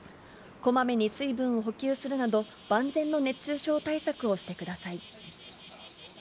こまめに水分を補給するなど、万全の熱中症対策をしてください。